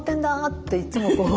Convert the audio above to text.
っていつもこう。